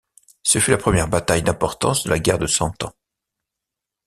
Ce fut la première bataille d'importance de la guerre de Cent Ans.